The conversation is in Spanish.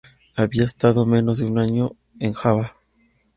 Había estado menos de un año en Java.